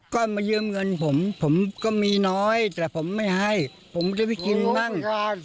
พ่อไปถามชาวบ้านแถวนั้นครับ